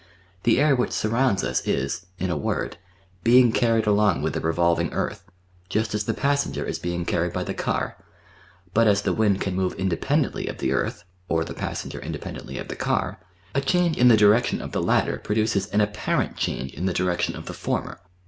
The air which surrounds us is, in a word, being carried along with the revolving earth, just as the passenger is being carried by the car, but as the wind can move independently of the earth (or the passenger independently of the car), a change in the direction of the latter produces an apparent change in the direction of the former.